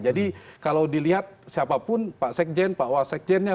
jadi kalau dilihat siapapun pak sekjen pak wah sekjennya